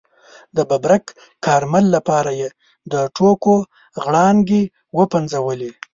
د ببرک کارمل لپاره یې د ټوکو غړانګې وپنځولې.